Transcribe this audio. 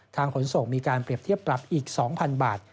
ขนส่งมีการเปรียบเทียบปรับอีก๒๐๐๐บาท